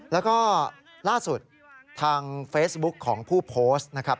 แล้วก็ล่าสุดทางเฟซบุ๊คของผู้โพสต์นะครับ